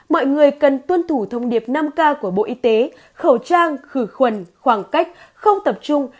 mọi người cần tuân thủ thông điệp năm k của bộ y tế khẩu trang khử khuẩn khoảng cách không tập trung